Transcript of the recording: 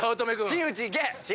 真打ちいけ！